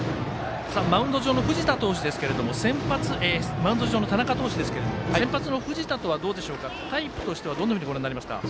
マウンド上の田中投手ですけども先発の藤田とはタイプとしてはどのようにご覧になりますか？